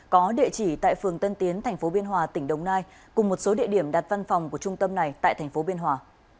có địa chỉ tại phường tân tiến tp biên hòa tỉnh đồng nai cùng một số địa điểm đặt văn phòng của trung tâm này tại thành phố biên hòa